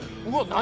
何？